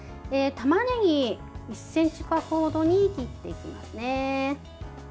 たまねぎを１ｃｍ角ほどに切っていきます。